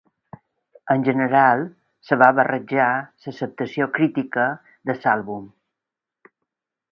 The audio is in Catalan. En general, es va barrejar l'acceptació crítica de l'àlbum.